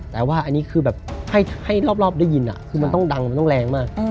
แต่ว่าอันนี้คือแบบให้รอบได้ยินคือมันต้องดังมันต้องแรงมาก